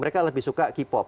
mereka lebih suka k pop